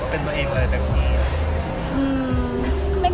เป็นตัวเองมั้ยอีก